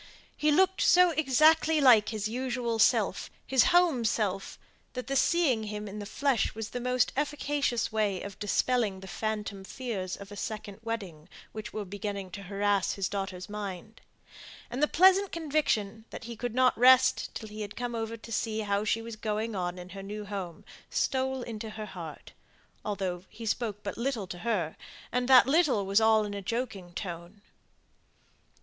He looked so exactly like his usual self, his home self, that the seeing him in the flesh was the most efficacious way of dispelling the phantom fears of a second wedding, which were beginning to harass his daughter's mind; and the pleasant conviction that he could not rest till he had come over to see how she was going on in her new home, stole into her heart, although he spoke but little to her, and that little was all in a joking tone.